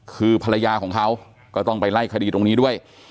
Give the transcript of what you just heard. คือภรรยาของเขาก็ต้องไปไล่คดีตรงนี้ด้วย